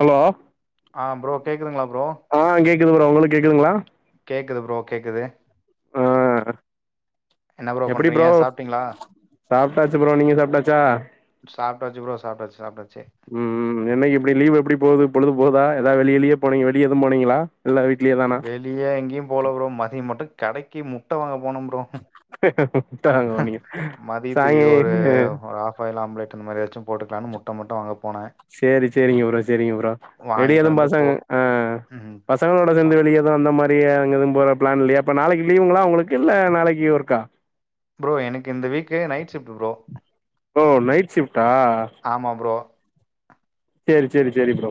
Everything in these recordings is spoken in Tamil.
ஹலோ ஆ ப்ரோ கேக்குதுங்ளா ப்ரோ ஆ கேக்குது ப்ரோ ஒங்ளுக் கேக்குதுங்ளா கேக்குது ப்ரோ கேக்குது ப்றோ என்ன ப்ரோ பண்றீங்க சாப்ட்டீங்ளா சாப்ட்டாச்சு ப்ரோ நீங்க சாப்ட்டாச்சா சாப்ட்டாச்சு ப்ரோ சாப்ட்டாச்சு சாப்ட்டாச்சு ம் ம் என்னிக்கி இப்டி லீவ் எப்டி போது பொழுது போதா எதா வெளிய கிளிய போனீங் வெளிய எது போனீங்ளா இல்ல வீ ட்லேதானா வெளிய எங்கேயு போல ப்ரொ மதியொ மட்டு கடக்கி முட்ட வாங்க போனே ப்ரோ முட்ட ஹ மதியத்துக்கு ஒரு ஆ ஆஃப்ஆயில் ஆம்லட் இந்த மாரியாச்சு போட்டுக்லானு முட்டமட்டு வாங்க போனே சேரி சேரிங்க ப்ரொ சேரிங்க ப்ரொ வெளிய வாங்கிட்டு எதும் வந்து போ பசங்க ஆ ம் பச சங்களோட சேந்து வெளிய எது அந்த மாரி அங்கெது போற பிளான் இல்லயா அப்போ நாளைக்கி லீவுங்ளா ஒங்களுக்கு இல்ல நாளைக்கி ஒர்க்கா ப்ரோ எனக்கு இந்த வீக்கு நைட் ஷிஃப்ட்டு ப்ரோ ஓ நைட் ஷிஃப்டா ஆமா ப்ரோ சேரி சேரி சேரி ப்ரோ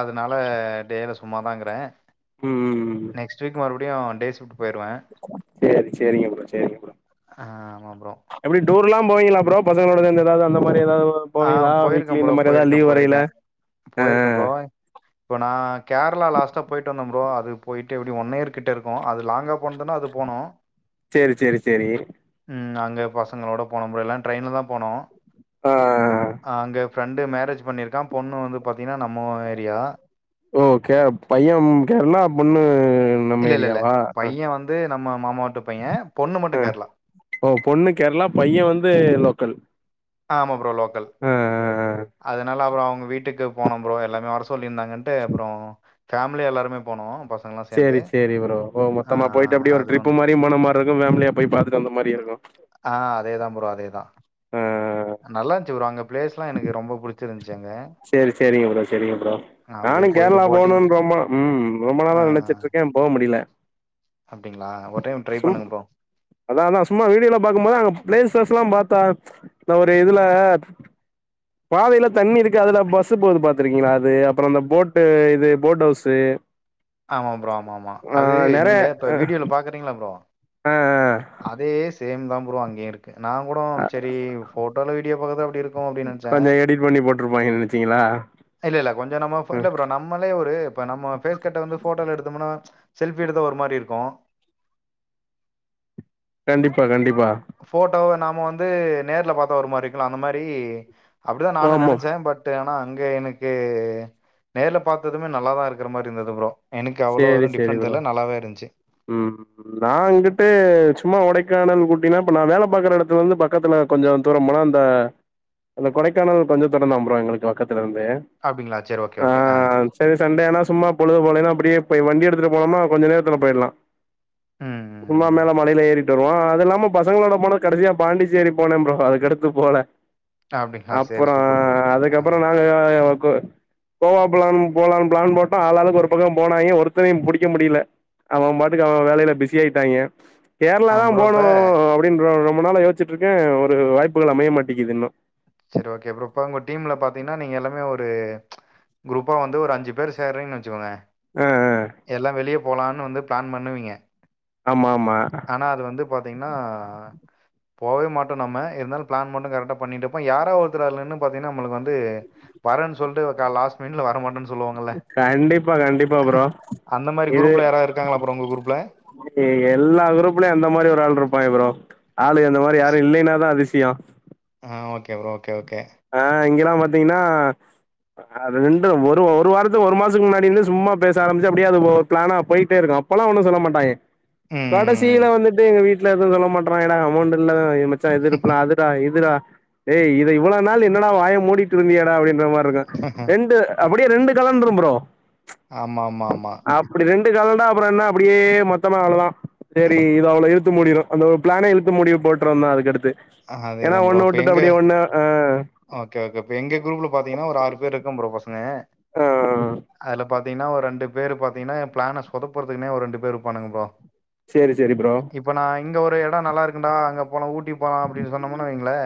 அதனால டேயில சும்மா தா இக்குறே ம் ம் ம் நெக்ஸ்ட் வீக் மறுபடியு டே ஷிஃப்ட் போயிருவே சேரி சேரிங்க ப்ரோ சேரிங்க ப்ரோ ஆமா ப்ரோ எப்டி டூர்லா போவீங்ளா ப்ரோ பசங்களோட சேந்து எதாது அந்த மாரி எதாவ்து ஆ போயிர்க்கே ப்ரோ போயிர்க்கே போயிர்க்கே ஆ போயிர்க்கே ஆ ப்ரோ இப்போ நா கேர்ளா லாஸ்ட்டா போய்ட்டு வந்தே ப்ரோ அதுக்கு போய்ட்டு எப்டி ஒன் இயர் கிட்ட இருக்கு அது லாங்கா போனதுனா அது போனு சேரி சேரி சேரி ம் அங்க பசங்களோட போனோ ப்ரோ எல்லா ட்ரெயின்ல தா போனோ ஆ அங்க ஃப்ரெண்டு மேரேஜ் பண்ணிருக்கா பொண்ணு வந்து பாத்தீங்ன்னா நம்ம ஏரியா ஓகே பையே கேர்ளா பொண்ணு நம்ம ஏரியாவா பையே நம்ம மாமாவூட்டு பையே பொண்ணு மட்டு ஆ கேர்ளா ஓ பொண்ணு கேரளா பையே வந்து லோக்கல் ஆ ஆமா ப்ரோ லோக்கல் ஆ ஆ ஆ அதனால அப்புறோ அவங்க வீட்டுக்கு போனோம் ப்ரோ எல்லாமே வரச் சொல்லியிருந்தாங்கன்ட்டு அப்புறோ ஃபேமிலியா எல்லாருமே போனோ பஸ் சேரி சேரி ப்ரோ ஓ மொத்தமா போய்ட்டு அப்டியே ஒரு அது ட்ரிப்பு ஒண்ணு. மாரியுபோன மாரி இருக்கு ஃபேமிலியா போய் பாத்துட்டு வந்த மாதிரியு இருக்கு ஆஹ் அதேதா ப்ரோ அதேதா உம் நல்லாருன்ச்சு ப்ரோ அங்க பிளேஸ்லா எனக்கு ரொம்ப பிடிச்சிருந்துச்சு அங்க சேரி சேரிங்க ப்ரோ சைரிங்க ப்ரோ அப்படியே நானு போயிட்டு கேரளா போட்டிங் போகணுனு ரொம்ப உம் ரொம்ப ஆ நாளா நெனச்சிட்டு இருக்கே போ முடில அப்டிங்களா ஒரு டைம் ட்ரை பண்ணுங்க ப்ரோ அதா அதா சும்மா வீடியோல பாக்கும் போது அங்க பிளேஸஸ்ல்லா பாத்தா இந்த ஒரு இதுல பாதையில தண்ணி இருக்கு அதுல பஸ் போது பாத்திருக்கீங்ளா அது அப்புறோ அந்த போட்டு இது போட் ஹவுஸு ஆமா ப்ரோ ஆமா ஆமா ஆ அது நெறைய நீங்க இப்ப வீடியோல பாக்குறீங்களா ப்ரோ ஆ ஆ ஆ அதே சேம் தான் ப்ரோ அங்கேயு இருக் நான் கூட ஆ சரி போட்டோல வீடியோ பாக்க தா அப்டி இருக்கும் அப்டினு நினைச்சேன் கொஞ்சோ எடிட் பண்ணி போட்ருப்பாங்கல இல்ல இல்ல கொஞ்சம் நம்ம இல்ல ம் ப்ரோ நம்ம நம்மளே ஒரு இப்ப நம்ம பேஸ்கட்ட வந்து போட்டோ எடுத்தோம்னா செல்பி எடுத்தா ஒரு மாரி இருக்கும் கண்டிப்பா கண்டிப்பா போட்டோ நாம வந்து நேர்ல பார்த்தா ஒரு மாரி இருக்கும்ல அந்த மாரி அப்டிதான் நானும் ஆமா நினைச்சேன் பட் ட் ஆனா அங்க எனக்கு நேர்ல பார்த்ததுமே நல்லாதான் இருக்கிற மாரி இருந்தது ப்ரோ எனக்கு அவ்ளோ சேரி ஒன்னும் சேரி டிஃப்ரண்ட் ப்ரோ தெர்ல நல்லாவே இருந்துச்சு ம் நான்ங்கட்டு சும்மா ஒடைக்கானல் கூட்டினா இப்ப நான் வேலை பாக்குற இடத்துல வந்து பக்கத்துல கொஞ்சம் தூர போனா அந்த அந்த கொடைக்கானல் கொஞ்ச தூறந்தான் ப்ரோ எங்களுக்கு பக்கத்துல இருந்து அப்டிங்கலா சரி ஓகே ஓகே ஆ சேர் சண்டே ஆனா சும்மா பொழுது போலேன்னா அப்டியே வண்டி எடுத்துட்டு போனோமா கொஞ்ச நேரத்துல போயிடலாம் ம். சும்மா ம். மேல மழையில ஏறி வோம் அது இல்லாம பசங்களோட போன கடைசியா பாண்டிச்சேரி போனேன் ப்ரோ அதுக்கடுத்து போல அப்டிங்களா? சரி அப்பறோ சூப்பர் ப்ரோ, சூப்பர். ஆ. அதுக்கப்பறம் நாங்க கு கோவா பிளான் போலான் பிளான் போட்டா ஆளாளுக்கு ஒரு பக்கம் போ நாய ஒருத்தரையும் புடிக்க முடில அவன் பாட்டுக்கு அவன் வேலையில பிஸி ஆயிட்டாய்ங்க கேரளா ஆ தான் ப்ரோ இப்ப போகணும் அப்டின்ற ரொம்ப நாள்ளா யோசிச்சட்டுருக்கேன் ஒரு வாய்ப்புகள் அமைய மாட்டேக்குதுன்னும் சரி ஓகே ப்ரோ அப்பறம் இப்ப உங்க டீம்ல பாத்தீங்கன்னா நீங்க எல்லாமே ஒரு குரூப்பா வந்து ஒரு அஞ்சு பேர் சேரிங்கன்னு வச்சுக்கோங்க ஆ எல்லாம் வெளி ளிய போகலாம்னு வந்து பிளான் பண்ணுவீங்க ஆமா ஆமா ஆனா அது வந்து பார்த்தீங்கன்னா போகவே மாட்டோம் நம்ம இருந்தாலும் பிளான் மட்டும் கரெக்டா பண்ணிட்டு இவன் யாரா ஒருத்தர் அதுல இருந்து பாத்தீங்கன்னா நபளுக்கு வந்து வரன்னு சொல்ட்டு லாஸ்ட் மினிட்ல வர மாட்டேன்னு கண்டிப்பா கண்டிப்பா ப்ரோ அந்த மாரி இது குரூப்ல யாராவது இருக்காங்களா ப்ரோ உங்க குரூப்ல? இ எல்லா குரூப்லயும் அந்த மாரி ஒரு ஆள் இருப்பாய்ங்க ப்ரோ ஆளு அந்த மாரி யாரும் இல்லைனா தான் அதிசயம் ஆ ஓகே ப்ரோ ஓகே ஓகே ஆ இங்கெல்லாம் பாத்தீங்கன்னா அது ரெண்டு ஒரு ஒரு வாரத்து ஒரு மாசத்துக்கு முன்னாடி இருந்து சும்மா பேச ஆம்பிச்சா அப்டியே அது ஒரு பிளானா போய்டே இருக்கும் அப் அப்பல்லா ஒன்னு சொல்ல மாட்டாய்ங்க ம். கடைசில வந்துட்டு எங்க வீட்ல எதுவு சொல்ல மாட்றாங்கடா அமௌண்ட் இல்ல ஏ மச்சா எது பிளா அது இதுடா ஏ இத இவ்ளோ நாள் என்னடா வாய மூடிட்டு இருந்தியேடா அப்டின்ற மாரி இருக்கு ரெண்டு அப்டியே ரெண்டு கலந்துரு ஃப்ரோ ஆம ஆமா ஆமா அப்டி ரெண்டு கலண்டா அப்பறோ என்ன அப்டியே மொத்தமா அவ்ளோ தா சேரி இது அவ்ளோ இழுத்து மூடிறும் அந்த ஒரு பிளானே இழுத்து முடி போட்றோ தா அதுக்கடுத்து ஏன்னா அதேதான் ப்ரோ. ஒண்ணு இப்ப விட்டுட்டு எங்க அப்டியே ஒண்ணு ஆ ஓகே ஓகே இப்ப எங்க குரூப்ல பா்த்தீங்கன்னா ஒரு ஆறு பேர் இருக்கோ ஃப்ரோ பசங்க ஆ அதுல பாத்தீங்கன்னா ஒரு ரெண்டு பேரு பாத்தீங்கன்னா என் பிளான சொதப்புறதுக்குனே ஒரு ரெண்டு பேரு இருப்பானுங்க ஃப்ரோ சேரி சேரி ஃப்ரோ இப்ப நா இங்க ஒரு எட நல்லா இருக்குண்டா அங்க போலா ஊட் டி போலா அப்டின் சொன்னமுனா வைங்களே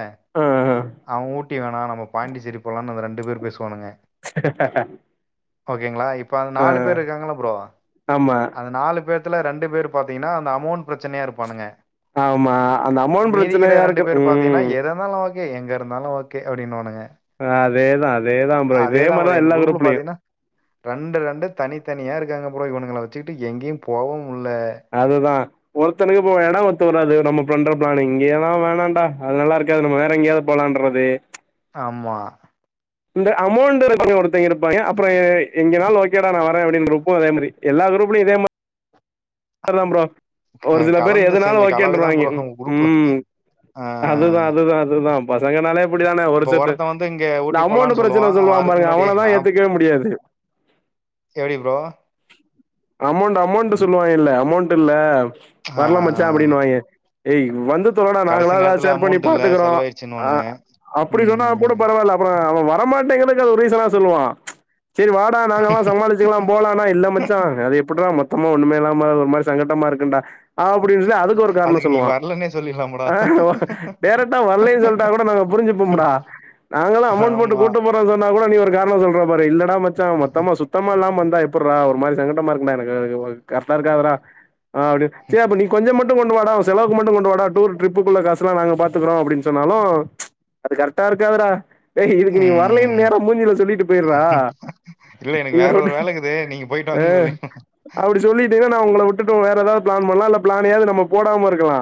ஆ ஆ அவ ஊட் டி என்னனா நம்ம பாண்டிச்சேரி போலானு அந்த ரெண்டு பேரு பேசுவானுங்க ஓகேங்களா இப்ப அந்த ஆ நாலு பேரு இருக்காங்கள ப்ரோ ஆமா அந்த நாலு பேர் த்துல அந்த ரெண்டு பேரு பாத்தீங்கனா அந்த அமௌண்ட் பிரச்சனையா இருப்பானுங்க ஆமா அந்த அமௌண்ட் பிரச்சனை யாருக்கு ம் நாலா ஓகே எங்க இருந்தாலு ஓகே அப்டின்னுவானுங்க அ அதேதா அதேதா ப்ரோ இதே மாரிதா எல்லா குரூப்லயு ரெண்டு ரெண்டு தனித்தனியா இருக்காங்க ப்ரோ இவனுங்கள வச்சுக்கிட்டு எங்கேயு போகவு முட்ல அதுதா ஒருத்தனுக்கு இப்ப எட ஒத்து வராது நம்ம பண்ற பிளான்னு இங்கேலா வேணாடா அது நல்லா இருக்காது நம்ம வேற எங்கேயாவ்து போலான்றது ஆமா இந்த அமௌண்ட்டு இருக்க ஒருத்தங்கெ இருப்பாங்கெ அப்பற எங்க நாலு ஓகேடா நா வரே அப்டின்ருப் இப்பவு அதே மாரி எல்லா குரூப்லயு இதே மார் ரிதா ப்ரோ அ ஒரு சில பேரு கலந்து எதுனாலு செஞ்ச கலவை தான் ஓக்கேன்ட்ருவாங்கெ ப்ரோ அவங்க ம் குரூப்ல ம் ஆ அதுதா அதுதா அதுதா பசங்கனாலே இப்டிதானே இப்போ ஒருஷத்து ஒருத்தன் வந்து இங்க இந்த ஊட்டி அமௌண்ட்டு போலான்னு பிரச்சன சொல்லுவான் அவன் சொல்லுவா அதுக்கு பாருங்க முன்னாடி அவன "ஏய் தா நான் ஏத்துக்கவே முடியாது எப்டி ப்ரோ அமௌண்டு அமௌண்ட்டு சொல்லுவாங்கெல்ல அமௌண்ட்டு இல்ல ஆ வர்ல மச்சா அப்டின்னுவாங்கெ ஏய் வந்து தொலடா கடைசி நாங்களாது எதா நேரத்துல ஷேர் பண்ணி அமௌண்ட் இல்ல பாத்துக்குறோ ஆ செலவாயிருச்சுன்னுவானுங்க அப்டி சொன்னா கூட ம் பரவால்ல அப் ப்பற அவ வரமாட்டேங்கிறதுக்கு அது ஒரு ரீசனா சொல்லுவா சேரி வா டா நாங்களா சமாளுச்சுக்கலா போலானா இல்ல மச்சா அது எப்புட்றா மொத்தமா ஒன்னுமே இல்லா மா அது ஒரு மாரி சங்கட்டமா இருக்குண்டா அப்டின்னு சொல்லி அதுக்கு ஒரு காரண நீ சொல்லுவா வரலன்னே சொல்லிடலாம்டா ஆ டேரக்டா வல்லைன் சொல்லிட்டா கூட நாங்க புரிஞ்சுப்போம்டா நாங்களு அமௌண்ட் போட்டு ஆமா கூட்டு போற் றோ சொன்னா கூட நீ ஒரு காரண சொல்ற பாரு இல்லடா மச்சா மொத்தமா சுத்தமா இல்லாம வந்தா எப்புட்றா ஒரு மாரி சங்கடமா இருக் குண்டா எனக்கு வ கரெக்டா இருக்காதுடா அப்டி சேரி அப்ப நீ கொஞ்ச மட் டு கொண்டு வாடா ஒ செலவுக்கு மட்டு கொண்டு வாடா டூரு டிரிப்புக்குள்ள காசுலா நாங்க பாத்துக்குறோ அப்டின் சொன்னாலு அது கரெக்டா இருக்காதுடா இதுக்கு நீ வரலைன் ம் நேரா மூஞ்சில சொல்லிட்டு போய்ட்றா இல்ல எனக்கு வேற ஒரு வேலக்குது நீங்க போயிட்டு அ வாங்கன் சொல்லி அப்டி சொல்லிட்டு நா உங்கள விட்டுட்டு வேற எதாவ்து பிளான் பண்லா இல்ல பிளானயாவ்து நம்ம போடாம இருக்கலா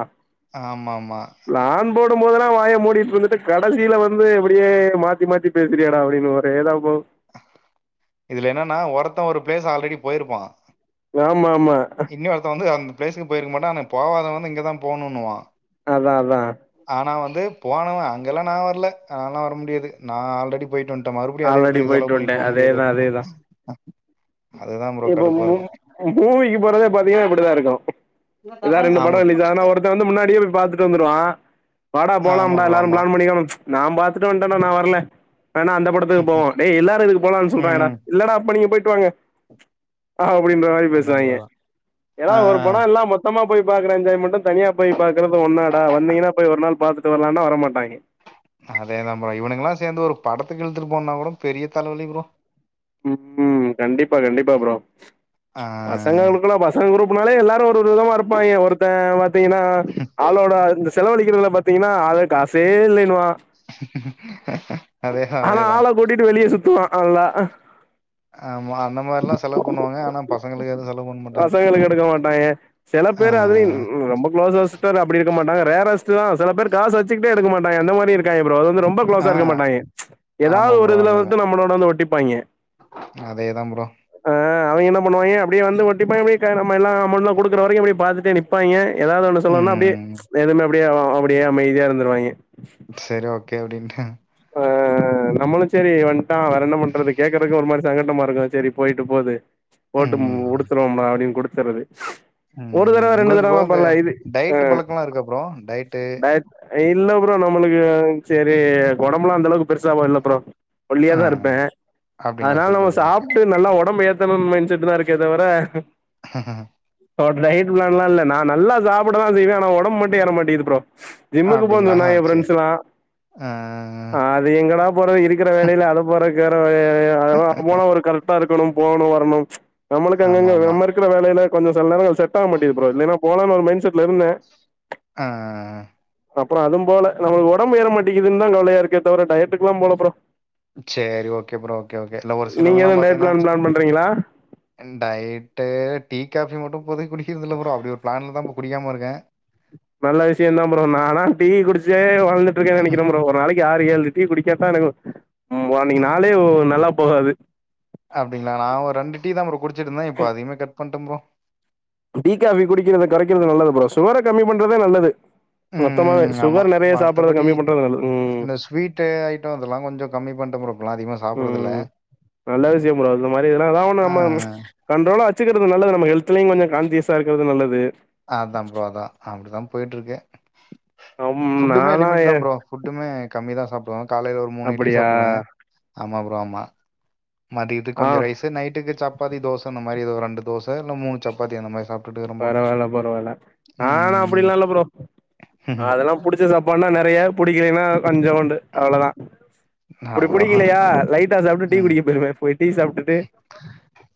ஆமாம்மா பிளான் போடும் போதெல்லா வாய மூடிட்டு வந்துட்டு கடைசில வந்து இப்டியே மாத்தி மாத்தி பேசுறியேடா அப்டின்னு வர் தேதா போ இதுல என்னனா ஒருத்த ஒரு பிளேஸ் ஆல்ரெடி போயிருப்பா ஆமாம்மா இன்னொருத்த வந்து அந்த பிளேஸ்சுக்கு போயிருக்க மாட்டா ஆனா போகாதவனு‌ இங்கெ தா போணுணுவா அதா அதா ஆனா வந்து போனவ அங்கெல்லா நா வர்ல நாலா வர முடியாது நா ஆல்ரெடி போயிட்டு வந்ட் டே மறுபடியு அதே ஆல்ரெடி எடத்து செலவு போயிட்டு வன்ட்டே பண்ணிட்டு போக முடியாது அதேதா அப்டின்பா அதேதா இப்ப மூவி மூவிக்கு போறதே பாத்தீங்கனா இப்டித்தா இருக்கு ஏதாவது ரெண்டு ஆமா படம் ரிலீஸ் ஆனா ஒருத்தே வந்து முன்னாடியே போய் பாத்துட்டு வந்துருவா வாடா ஆமா போலாம்டா ப்ரோ எல்லாரு ஆமா பிளான் பண்ணிருக்காங்க நா பாத்துட்டு வன்டேடா நா வரல வேணா அந்த படத்தை அந்த படத்துக்கு போவோ எல்லாரு இது போலானு சொல்றாங்கடா ம் இல்லடா அப்ப நீங்க போய்ட்டு வாங்க அப்டின்ற மாரி அதான் பேசுவாங்க ப்ரோ அதான் ஏன்னா ஆ ஒரு படோ எல்லா மொத்தமா போய் பாக்குற என்ஜாய் மட்டு தனியா போய் பாக்குறது ஒன்னாட வந்தீங்கன்னா போய் ஒரு நாள் பாத்துட்டு வரலானா வர மாட்டாங்க அதேதா ஃப்ரோ இவனுங்கல்லா சேந்து ஒரு படத்துக்கு இழுத்துட்டு போனா கூட பெரிய தலவலி ஃப்ரோ ம் கண்டிப்பா கண்டிப்பா ஃப்ரோ ஆ, பசங்களுகுள்ள பசங்க குரூப்னாலே எல்லாரு ஒரு விதமா இருப்பாய்ங்க ஒருத்தன் பாத்தீங்கன்னா ஆளோட இந்த செலவழிக்கிறதுல பாத்தீங்கன்னா ஆளே காசே இல்லைனுவா அதேதா அதேதா கூட்டிட்டு வெளிய சுத்துவா நல்லா ஆமா அந்த மாரிலா செலவு பண்ணுவாங்க ஆனா பசங்களுக்கு எதுவு செலவு பண்ண மாட்டாங்க பசங்களுக்கு எடுக்க மாட்டாய்ங்க சில ஆ பேர் அதுல ரொம்ப குளோஸ்சஸ் அப்டிருக்க மாட்டாங்க ரேரர்ஸ்டு தா சில பேர் காசு வச்சு க்கிட்டே எடுக்க மாட்டாங்க அந்த மாதிரி இருக்காங்க ஃப்ரோ அது வந்து ரொம்ப ஆ, க்ளோஸா இருக்க மாட்டாய்ங்க ஆமா ஏதாவது ஒரு இதுல வந்து நம்மளோட வந்து ஒட்டிப்பாங்க அதேதா ஃப்ரோ ஆ அவுங்க என்ன பண்ணுவாய்ங்க அப்டியே வந்து ஒட்டிப்பாங்க அப்டியே நம்மல்லா அமௌண்ட் குடுக்குற வரைக்கு அப்டியே பாத்துட்டு நிப் ப்பாய்ங்க ஏதாவது ஒன்னு சொல்லனுனா அப்டியே ம் எதுவுமே அப்டியே அப்டியே அமைதியா இருந்துருவாய்ங்க செரி ஓகே அப்டின்ட்டு ஆ ஆ நம்மளு செரி வந்டான் வேற என்ன பண்றது கேக்குறக்கு ஒரு மாதிரி சங்கட்டமாருக்கு செரி போய்ட்டு போகுது போட்டு ம் உடுத்துறவோ அப்டின் குடுத்துறது ஒரு ம் தடவ ரெண்டு உங்களுக்கு ப்ரோ தடவ இந்த பண்லா இது டயட் பழக்கம்லா இருக்கா ப்ரோ? டயட்டு இல்ல ஃப்ரோ நம்ளுக்கு செரி உடம்பெல்லா அந்த அளவுக்கு பெருசாவால்ல ஃப்ரோ ஒல்லியா ஆ தாருப்பே அப்டிங்களா அதனால சூப்பர் நம்ம ப்ரோ ஓகே. சாப்டு நல்லா ஒடம்பு ஏத்தணுனு மைன் சொட்டு தா இருக்கே தவிர டயட்லல்லா இல்ல நா நல்லா சாப்டதா செய்வே ஆனா ஒடம்ப மட்டு ஏற மாட்டேங்குது ஃப்ரோ ஜிம்முக்கு போன்னு அப்டிங்களா சொன்னாய்ங்க ஏ சரி. ஃப்ரெண்ட்ஸ் எல்லா ஆ அது எங்கடா போறது இருக்கிற வேலைல அது போறக்கறனம் ஐய்யயோ அது போனா ஒரு கரெக்டா இருக் கனும் போணு வரணும் நம்மளுக்கு எங்கங்க ஆமாமா. ஒரு மாரி ருக்குற வேலைல கொஞ்சோ சில நேரங்கள் செட் ஆக மாட்டேங்குது ஃப்ரோ இல்லைனா போலான்னு ஒரு மைண்ட் செட்ல இருந்தே ஆ அப்றோ அதும் போல நம்ளுக்கு ஒடம்பு ஏற மாட்டேக்குதுன்னு தா கவலையாருக்கே தவிர டயட்டுக்குல்லா போல ஃப்ரோ சேரி ஓகே ஃப்ரோ ஓகே ஓகே இல்ல ஒரு நீங்க சிலவங்கல்லா எதுவு டயட் பாத்தீங்ன்னா பிளான் பிளான் பண்றீங்களா டயட்டு டீ காஃபி மட்டு இப்போதைக்கு குடிக்குறது இல்ல ஃப்ரோ அப்டி ஒரு பிளான்ல தா இப்ப குடிக்காமருக்கே நல்ல விஷயந்தா ப்ரோ நானா டீ குடிச்சே வளந்துட்ருக்கே நெனைக்கிறே ஃப்ரோ ஒரு நாளைக்கு ஆறு ஏழு டீ குடிச்சாத்தா எனக்கு அன்னைக்கு நாளே நல்லா போகாது அப்டிங்களா நா ஒரு ரெண்டு டீ தா குடிச்சிட்டுருந்தே இப்ப அதயுமே கட் பண்ட்டே ப்ரோ டீ காபி குடிக்கிறத குறைக்கிறது நல்லது ப்ரோ சுகர கம்மி பண்றது நல்லது மொத்தமாவே ம் ஆமா. சுகர் நெறைய சாப்பிட்றது கம்மி பண்றது நல் ம் ட்ட ஐட்டோ இதெல்லா கொஞ்சோ கம்மி பண்டே ப்ரோ இப்பலா அதிகமா சாப் ம் நல்ல விஷயோ ப்ரோ அந்த மாதிரி எதுனா ஒன்னு ஆ நம்ம கண்ட்ரோலா வச்சுக்றது நல்லது நம்ம ஹெல்த்லயு கொஞ்சோ கான்ஷியஸா இருக்கிறது நல்லது அதா ப்ரோ அதா அப்டிதா போயிட்டு இருக்கே அம் ஃபுட்டுமே நாலா லிமிட் ஏ தா ப்ரோ ஃபுட்டுமே கம்மி தா சாப்பிடுவே காலைல ஒரு மூணு இட்லி அப்டியா சாப்பிடுவே ஆமா ப்ரோ ஆமா மதியதுக்கு ஆ கொஞ்சோ ரைசு நைட்டுக்கு சப்பாத்தி தோச அந்த மாதிரி ஏதோ ஒரு ரெண்டு தோச இல்ல மூணு சப்பத்தி அந்த மாதிரி சாப் பரவாயில்ல பரவாயில்ல நா ஆனா ம் அப்டிலா இல்ல ப்ரோ அதெல்லா புடிச்ச சாப் பாடுன்னா நறைய பிடிக்கலன்னா கொஞ்சோண்டு அவ்ள தா அப்டி அவ்வளோதான் புடிக்கலையா லைட் லைட்டா சாப்ட்டுட்டு டீ குடிக்க போயிருவே போய் டீ சாப்டுட்டு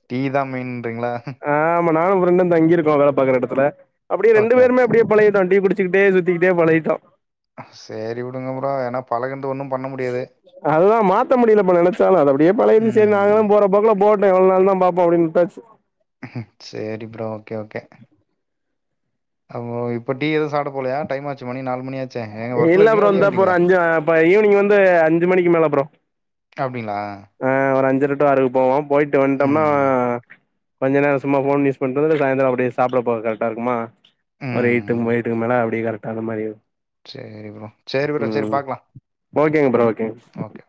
டீதா மெயினுன்றீங்களா ஆ ஆமா நானு ஃப்ரெண்டு தங்கிருக்கோ வேல பாக்ற எடத்துல அப்டியே ரெண்டு ஓகே பேருமே ஓகே அப்டியே பழகிட்டோ டீ குடிச்சிக்கிட்டே சுத்திக்கிட்டே பழகிட்டோ சேரி விடுங்க ப்ரோ என்னா பழகுன்னது ஒன்னும் அதுதா மாத்த முடியல ப்ரோ நெனைச்சாலு அப்டியே பழகிருச்சு சேரி ம் நாங்களு போற போக்குல போட் இப்ப எவ்ளோ நாள் தா பாப்போ அப்டின்னு விட்டாச்சு சேரி ப்ரோ ஓகே ஓகே அப்ப இப்ப டீ எது சாப்ட போலயா டைம் ஆச்சு மணி நாளு மணி ஆச்சு இல்ல ப்ரோ இந்தா போறே அஞ்சு அப்ப ஈவினிங் வந்து அஞ்சு மணிக்கு மேல ப்ரோ அப்டிங்களா ஆ ஒரு அஞ்சற டு ஆறுக்கு போவோ போயிட்டு வந்துட்டோம்னா ம் கொஞ்ச நேரோ சும்மா ஃபோன் யூஸ் பண்றது சாய்ந்தரோ அப்டியே சாப்ட போக கரக்டா இருக்குமா ஒரு ம் எயிட்டுக்கு எட்டுக்கு மேலா அப்டியே கரெக்டா அந்த மாதிரி சேரி ப்ரோ சேரி ப்ரோ சேரி பாக்கலா ஓகேங்க ப்ரோ ஓகேங்க ஓகே